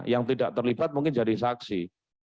yang tidak terlibat mungkin jadi saksi